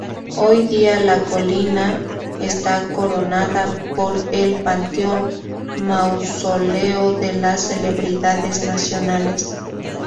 Hoy día la colina está coronada por el Panteón, mausoleo de las celebridades nacionales.